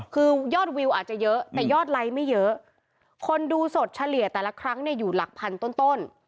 คือยอดวิวอาจจะเยอะแต่ยอดไลค์ไม่เยอะคนดูสดเฉลี่ยแต่ละครั้งเนี่ยอยู่หลักพันต้น